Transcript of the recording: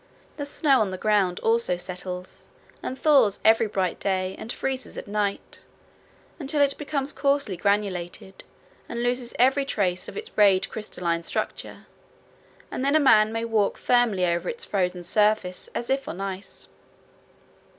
The snow on the ground also settles and thaws every bright day, and freezes at night, until it becomes coarsely granulated, and loses every trace of its rayed crystalline structure, and then a man may walk firmly over its frozen surface as if on ice.